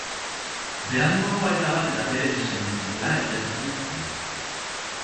Beranduago aita bat eta bere bi seme zirela egiaztatu zuten.